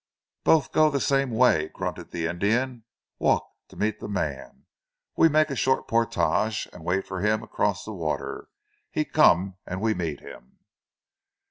"Both go the same way," grunted the Indian. "Walk to meet the man. We make short portage, and wait for him across the water. He come and we meet him."